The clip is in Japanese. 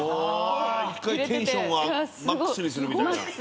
１回テンションをマックスにするみたいな。